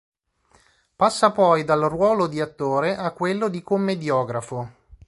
Passa poi dal ruolo di attore a quello di commediografo.